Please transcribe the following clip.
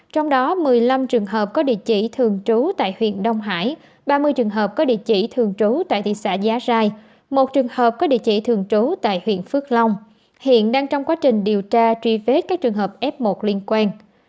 ba mươi trường hợp có địa chỉ thường trú tại thị xã giá rai một trường hợp có địa chỉ thường trú tại huyện phước long hiện đang trong quá trình điều tra truy vết các trường hợp f một liên quan